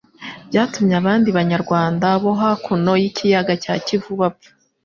byatumye abandi Banyarwanda bo hakuno y'Ikiyaga cya Kivu bapfa